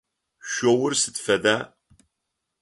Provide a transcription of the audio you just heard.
Шъоур сыд фэда?